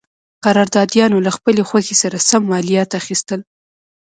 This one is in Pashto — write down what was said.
قراردادیانو له خپلې خوښې سره سم مالیات اخیستل.